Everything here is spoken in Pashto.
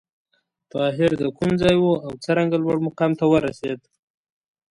طاهر د کوم ځای و او څرنګه لوړ مقام ته ورسېد؟